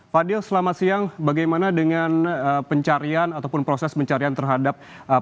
fadil selamat siang bagaimana dengan pencarian ataupun proses pencarian terhadap